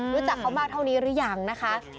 รู้จักเขามากเท่านี้หรือยังนะคะ